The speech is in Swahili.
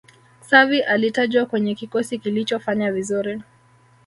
xavi alitajwa kwenye kikosi kilichofanya vizuri